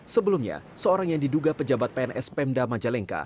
sebelumnya seorang yang diduga pejabat pns pemda majalengka